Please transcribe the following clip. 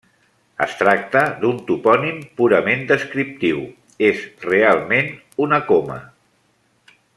Es tracta d'un topònim purament descriptiu: és realment una coma.